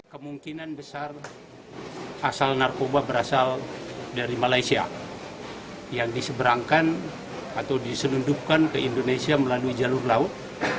kemungkinan besar asal narkoba berasal dari malaysia yang diseberangkan atau diselundupkan ke indonesia melalui jalur laut